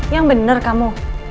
yang bener kamu